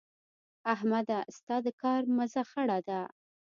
احمده؛ ستا د کار مزه خړه ده.